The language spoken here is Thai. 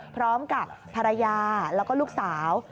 พร้อมกับภรรยาแล้วก็ลูกสาว